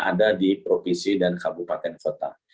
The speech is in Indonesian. ada di provinsi dan kabupaten kota